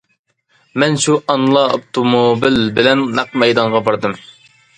مەن شۇ ئانلا ئاپتوموبىل بىلەن نەق مەيدانغا باردىم.